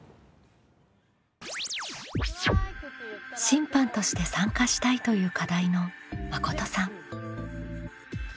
「審判として参加したい」という課題のまことさん。